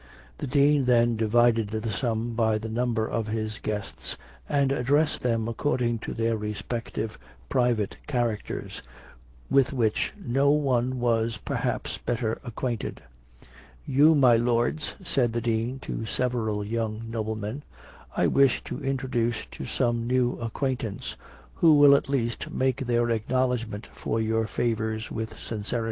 The Dean then divided the sum by the number of his guests, and addressed them according to their respective private characters, with which no one was, perhaps, better acquainted. "You, my Lords," said the Dean to several young noblemen, "I wish to introduce to some new acquaintance, who will at least make their acknowledgment for your favors with sincerity.